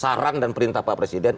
saran dan perintah pak presiden